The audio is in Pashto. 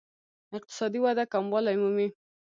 اقتصادي وده کموالی مومي.